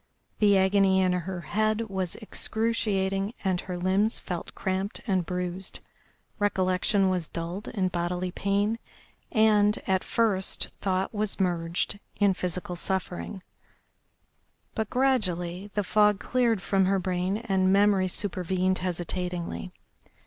The agony in her head was excruciating, and her limbs felt cramped and bruised. Recollection was dulled in bodily pain, and, at first, thought was merged in physical suffering. But gradually the fog cleared from her brain and memory supervened hesitatingly.